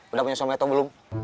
udah punya suami atau belum